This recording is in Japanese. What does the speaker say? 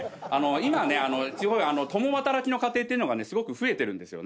今共働きの家庭っていうのが増えてるんですよね。